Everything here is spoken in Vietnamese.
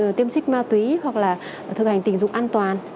rồi tiêm trích ma túy hoặc là thực hành tình dục an toàn